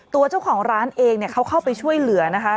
ตัวเจ้าของร้านเองเขาเข้าไปช่วยเหลือนะคะ